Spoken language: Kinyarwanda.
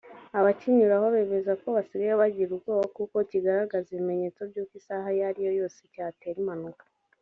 Abakinyuraho bemeza ko basigaye bagira ubwoba kuko kigaragaza ibimenyetso by’uko isaha iyo ari yo yose cyatera impanuka